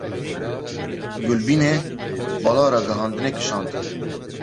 Gulbînê bala ragihandinê kişand.